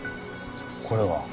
これは。